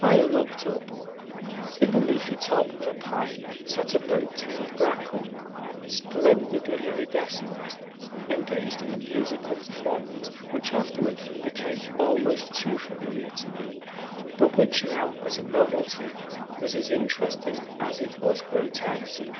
I looked up. In the leafy top of a pine sat a boat tailed grackle, splendidly iridescent, engaged in a musical performance which afterward became almost too familiar to me, but which now, as a novelty, was as interesting as it was grotesque.